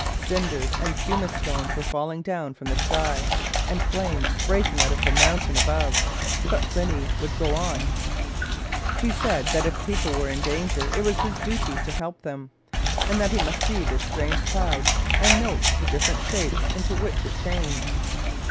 Cinders and pumice stones were falling down from the sky, and flames breaking out of the mountain above. But Pliny would go on: he said that if people were in danger, it was his duty to help them; and that he must see this strange cloud, and note down the different shapes into which it changed.